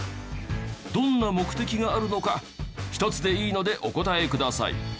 どんな目的があるのか１つでいいのでお答えください。